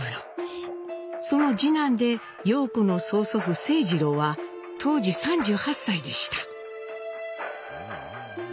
その次男で陽子の曽祖父清二郎は当時３８歳でした。